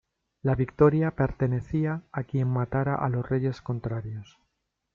La victoria pertenecía a quien matara a los reyes contrarios.